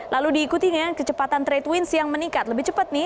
lalu diikutinya kecepatan trade winds yang meningkat lebih cepat nih